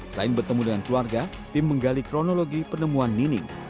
selain bertemu dengan keluarga tim menggali kronologi penemuan nining